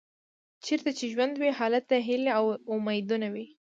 چیرته چې ژوند وي هلته هیلې او امیدونه وي.